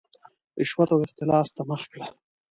رشوت او اختلاس ته مخه کړه.